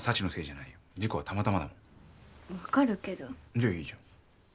じゃいいじゃん。